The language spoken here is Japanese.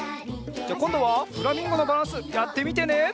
じゃこんどはフラミンゴのバランスやってみてね。